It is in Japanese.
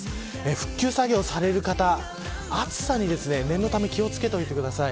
復旧作業をされる方暑さに念のため気を付けてください。